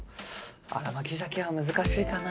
新巻鮭は難しいかな